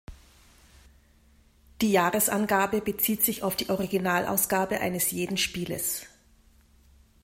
Die Jahresangabe bezieht sich auf die Originalausgabe eines jeden Spieles.